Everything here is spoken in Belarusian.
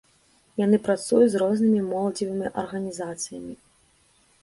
Яны працуюць з рознымі моладзевымі арганізацыямі.